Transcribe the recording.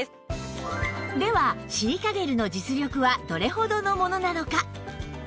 ではシリカゲルの実力はどれほどのものなのか